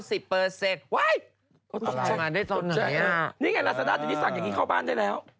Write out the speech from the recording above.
นี่ไงลาซาด้าจะได้สั่งอย่างนี้เข้าบ้านได้แล้ว